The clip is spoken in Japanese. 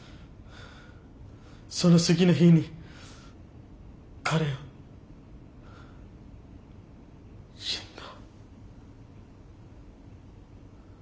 その次の日に彼は死んだ。